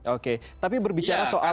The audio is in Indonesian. oke tapi berbicara soal